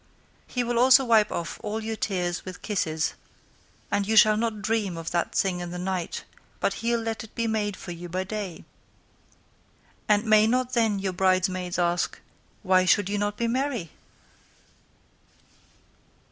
He will also wipe of all your tears with kisses; and you shall not dream of that thing in the night, but he'l let it be made for you by day. And may not then your Bride maids ask, why should not you be merry?